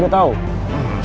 aku akan menemukanmu